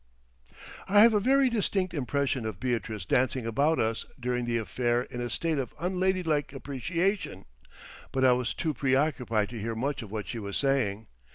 I have a very distinct impression of Beatrice dancing about us during the affair in a state of unladylike appreciation, but I was too preoccupied to hear much of what she was saying.